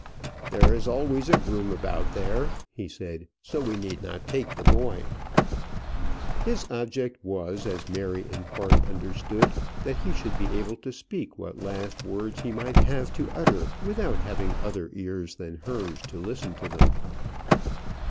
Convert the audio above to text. "There is always a groom about there," he said, "so we need not take the boy." His object was, as Mary in part understood, that he should be able to speak what last words he might have to utter without having other ears than hers to listen to them.